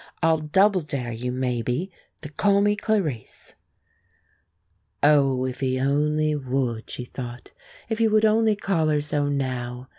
I'll double dare you, maybe, to call me Clarice." Oh, if he only would, she thought if he would only call her so now!